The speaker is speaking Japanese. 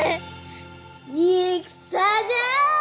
戦じゃ！